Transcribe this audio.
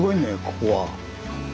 ここは。